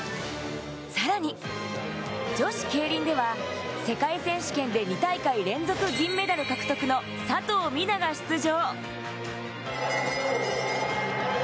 さらに女子ケイリンでは、世界選手権で２大会連続銀メダル獲得の佐藤水菜が出場。